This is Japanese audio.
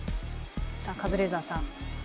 さあカズレーザーさん